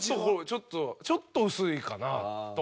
「ちょっと薄いかな」とか。